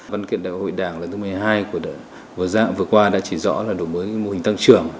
văn kiện đại hội đảng lần thứ một mươi hai của qua đã chỉ rõ là đổi mới mô hình tăng trưởng